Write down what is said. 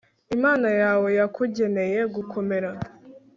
imana yawe yakugeneye gukomera